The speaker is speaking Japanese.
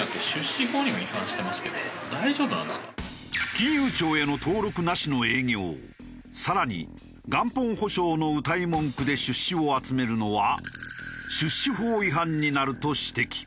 金融庁への登録なしの営業更に元本保証のうたい文句で出資を集めるのは出資法違反になると指摘。